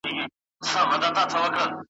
تدبیر تر تباهۍ مخکي ,